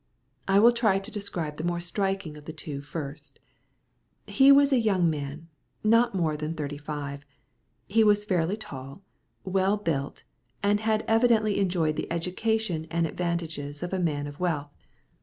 I will try to describe the more striking of the two first. He was a young man. Not more than thirty five. He was fairly tall, well built, and had evidently enjoyed the education and advantages of a man of wealth.